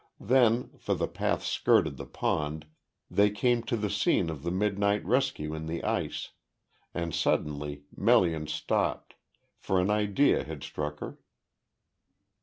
Then for the path skirted the pond they came to the scene of the midnight rescue in the ice; and suddenly Melian stopped, for an idea had struck her.